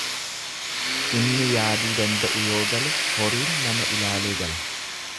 Inni yaaduu danda'u yoo gale horiin nama ilaalee gala.